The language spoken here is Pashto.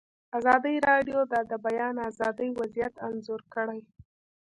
ازادي راډیو د د بیان آزادي وضعیت انځور کړی.